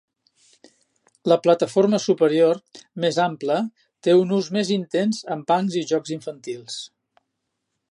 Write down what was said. La plataforma superior, més ampla, té un ús més intens amb bancs i jocs infantils.